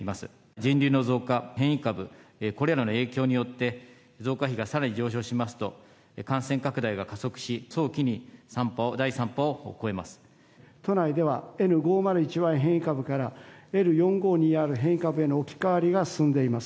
人流の増加、変異株、これらの影響によって、増加比がさらに上昇しますと、感染拡大が加速し、都内では、Ｎ５０１Ｙ変異株から、Ｌ４５２Ｒ変異株への置き換わりが進んでいます。